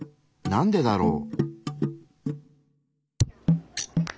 なんでだろう？